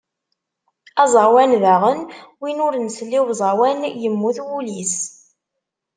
Aẓawan daɣen win ur nsell i uẓawan yemmut wul-is.